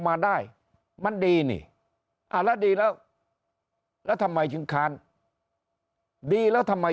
มาได้มันดีนี่อ่าแล้วดีแล้วแล้วทำไมถึงค้านดีแล้วทำไม